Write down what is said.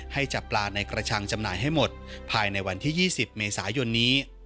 ให้จับปลาในกระชังจำหน่ายให้หมดภายในวันที่๒๐เมษายนนี้